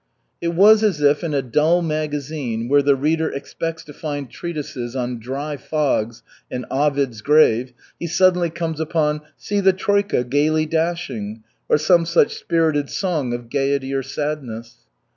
It was as if in a dull magazine where the reader expects to find treatises on dry fogs and Ovid's grave, he suddenly comes upon "See the troika, gaily dashing," or some such spirited song of gaiety or sadness.